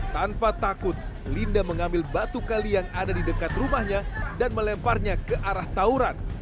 tanpa takut linda mengambil batu kali yang ada di dekat rumahnya dan melemparnya ke arah tauran